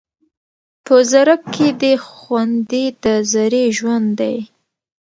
په ذره کې دې خوندي د ذرې ژوند دی